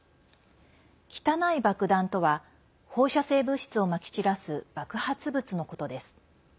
汚い爆弾とは放射性物質をまき散らす爆発物のことです。